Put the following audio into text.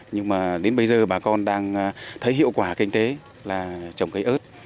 nhưng mà đến bây giờ bà con đang thấy hiệu quả kinh tế là trồng cây ớt